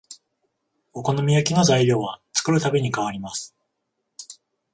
お好み焼きの材料は作るたびに変わります